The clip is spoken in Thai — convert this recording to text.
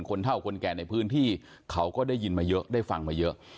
เท่าคนแก่ในพื้นที่เขาก็ได้ยินมาเยอะได้ฟังมาเยอะ